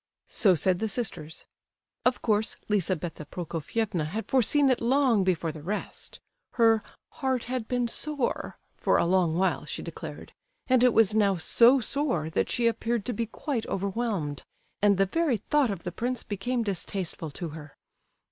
So said the sisters. Of course, Lizabetha Prokofievna had foreseen it long before the rest; her "heart had been sore" for a long while, she declared, and it was now so sore that she appeared to be quite overwhelmed, and the very thought of the prince became distasteful to her.